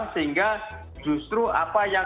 sehingga justru apa yang